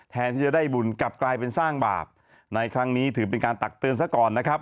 แทนที่จะได้บุญกลับกลายเป็นสร้างบาปในครั้งนี้ถือเป็นการตักเตือนซะก่อนนะครับ